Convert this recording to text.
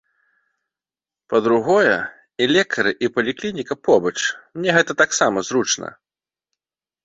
Па-другое, і лекары, і паліклініка побач, мне гэта таксама зручна.